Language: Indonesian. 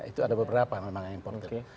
itu ada beberapa memang yang importer